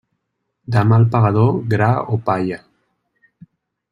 Del mal pagador, gra o palla.